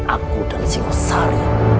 aku dan singosari